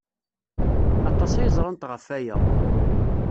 Aṭas ay ẓrant ɣef waya.